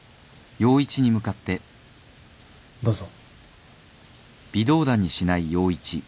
どうぞ。